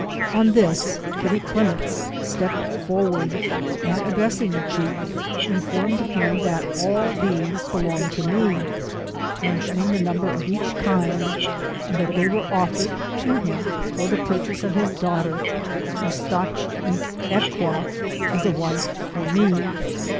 On this, Kinneclimmets stepped forward, and addressing the chief, informed him that all these belonged to me, mentioning the number of each kind, and that they were oflFered to him for the pui chase of his daughter Eu stoch ee ex' qua, as a wife for me.